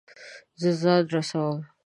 زه ځان رسوم